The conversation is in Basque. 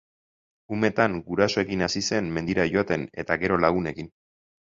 Umetan gurasoekin hasi zen mendira joaten eta gero lagunekin.